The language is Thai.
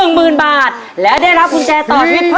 ยังเหลือเวลาทำไส้กรอกล่วงได้เยอะเลยลูก